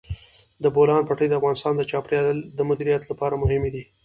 د بولان پټي د افغانستان د چاپیریال د مدیریت لپاره مهم دي.